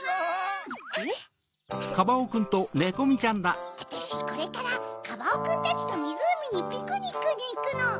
わたしこれからカバオくんたちとみずうみにピクニックにいくの！